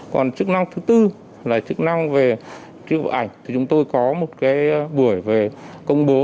còn chức năng thứ tư là chức năng về truy bộ ảnh thì chúng tôi có một cái buổi về công bố